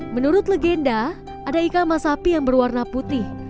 menurut legenda ada ikan masapi yang berwarna putih